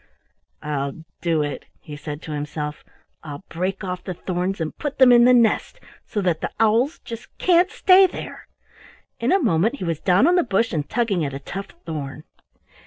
"I'll do it," he said to himself; "I'll break off the thorns and put them in the nest, so that the owls just can't stay there." In a moment he was down on the bush and tugging at a tough thorn.